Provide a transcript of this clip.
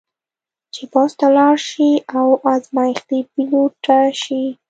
چې پوځ ته ولاړه شي او ازمېښتي پیلوټه شي.